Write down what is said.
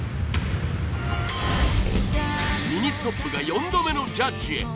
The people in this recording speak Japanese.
ミニストップが４度目のジャッジへ！